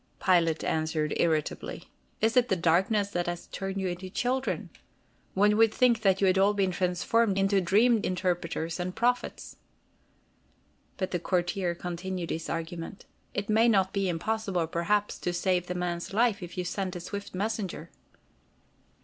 Pilate answered irritably: "Is it the darkness that has turned you into children? One would think that you had all been transformed into dream interpreters and prophets." But the courtier continued his argument: "It may not be impossible, perhaps, to save the man's life, if you sent a swift messenger."